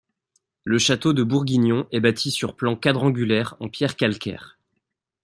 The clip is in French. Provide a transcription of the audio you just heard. Le château de Bourguignon est bâti sur plan quadrangulaire en pierre calcaire.